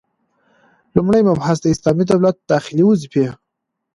لومړی مبحث: د اسلامي دولت داخلي وظيفي: